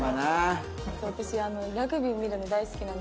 私ラグビー見るの大好きなんですよ。